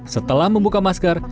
setelah membuka masker